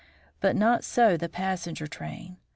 But not so the passenger train.